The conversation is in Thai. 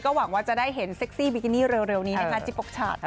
หวังว่าจะได้เห็นเซ็กซี่บิกินี่เร็วนี้นะคะจิปกฉาด